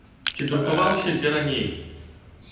Ці друкаваўся дзе раней?